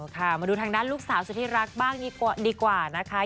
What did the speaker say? มาดูทางด้านลูกสาวสุธิรักบ้างดีกว่านะคะ